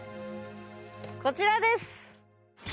こちらです！